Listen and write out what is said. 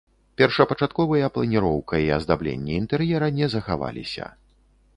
Першапачатковыя планіроўка і аздабленне інтэр'ера не захаваліся.